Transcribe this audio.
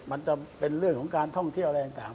มันจะเป็นเรื่องของการท่องเที่ยวอะไรต่าง